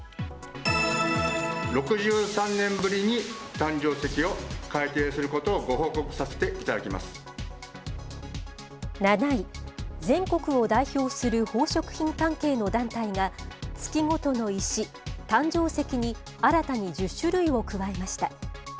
６３年ぶりに誕生石を改定することをご報告させていただきま７位、全国を代表する宝飾品関係の団体が、月ごとの石、誕生石に新たに１０種類を加えました。